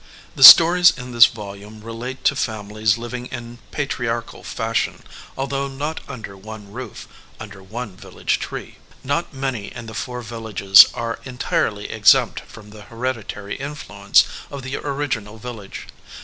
The stories in this volume relate to families FOREWORD living in patriarchal fashion, although not under one roof, under one village tree. Not many in the four villages are entirely exempt from the hereditary influence of the orig inal village.